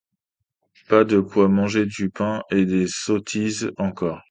Pas de quoi manger du pain, et des sottises encore !